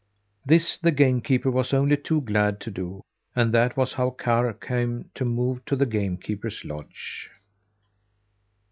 This the game keeper was only too glad to do, and that was how Karr came to move to the game keeper's lodge.